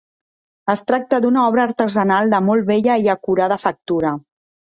Es tracta d'una obra artesanal de molt bella i acurada factura.